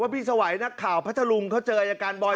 พี่สวัยนักข่าวพัทธรุงเขาเจออายการบอย